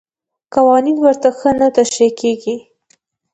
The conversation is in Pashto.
قوانین ورته ښه نه تشریح کېږي.